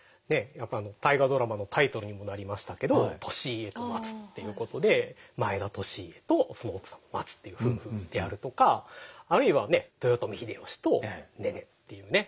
やっぱ「大河ドラマ」のタイトルにもなりましたけど「利家とまつ」っていうことで前田利家とその奥様のまつという夫婦であるとかあるいは豊臣秀吉とねねっていう。